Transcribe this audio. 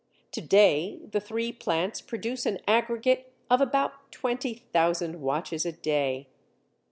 To day the three plants produce an aggregate of about twenty thousand watches a day.